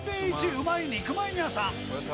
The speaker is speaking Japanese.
うまい肉まん屋さん。